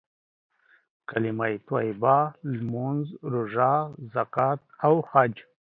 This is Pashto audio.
کليمه طيبه، لمونځ، روژه، زکات او حج.